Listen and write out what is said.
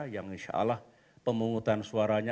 yang insyaallah pemungutan suaranya